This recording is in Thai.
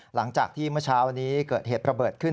หลังจากที่เมื่อเช้านี้เกิดเหตุระเบิดขึ้น